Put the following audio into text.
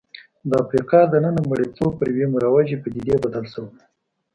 د افریقا دننه مریتوب پر یوې مروجې پدیدې بدل شوی و.